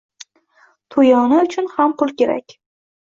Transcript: To`yona uchun ham pul kerak